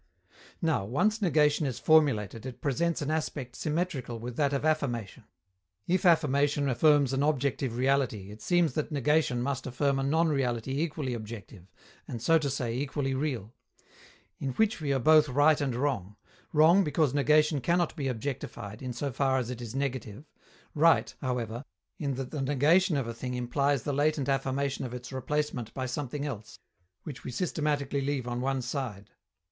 Now, once negation is formulated, it presents an aspect symmetrical with that of affirmation; if affirmation affirms an objective reality, it seems that negation must affirm a non reality equally objective, and, so to say, equally real. In which we are both right and wrong: wrong, because negation cannot be objectified, in so far as it is negative; right, however, in that the negation of a thing implies the latent affirmation of its replacement by something else, which we systematically leave on one side.